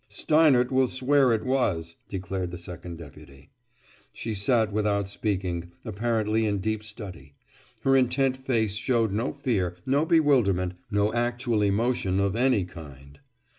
"Steinert will swear it was," declared the Second Deputy. She sat without speaking, apparently in deep study. Her intent face showed no fear, no bewilderment, no actual emotion of any kind.